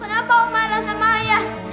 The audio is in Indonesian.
kenapa om marah sama ayah